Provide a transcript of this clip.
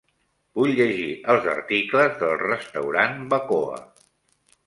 Vull llegir els articles del restaurant Bacoa.